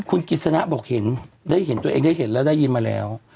คุณกิจสนะบอกเห็นได้เห็นตัวเองได้เห็นแล้วได้ยินมาแล้ว